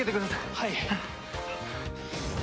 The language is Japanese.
はい。